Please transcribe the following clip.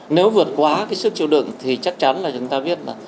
nếu vượt quá cái sức chịu đựng thì chắc chắn là chúng ta biết là